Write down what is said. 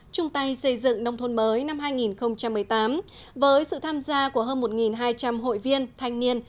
trung tay xây dựng nông thôn mới năm hai nghìn một mươi tám với sự tham gia của hơn một hai trăm linh hội viên thanh niên